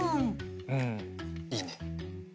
うんいいね。